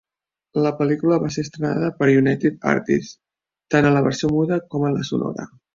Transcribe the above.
La pel·lícula va ser estrenada per United Artists tant en la versió muda con en la sonora.